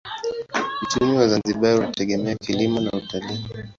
Uchumi wa Zanzibar unategemea kilimo na utalii.